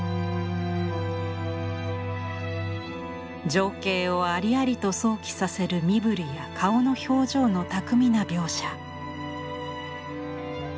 情景をありありと想起させる身振りや顔の表情の巧みな描写。